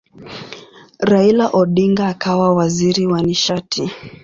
Raila Odinga akawa waziri wa nishati.